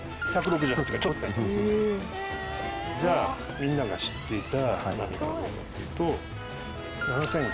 じゃあみんなが知っていた。